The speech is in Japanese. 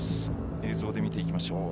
映像で見ていきましょう。